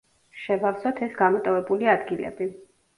შევავსოთ ეს გამოტოვებული ადგილები.